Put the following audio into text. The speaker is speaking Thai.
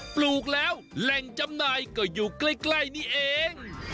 ปลูกแล้วแหล่งจำหน่ายก็อยู่ใกล้นี่เอง